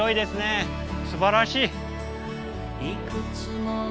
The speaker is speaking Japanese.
すばらしい。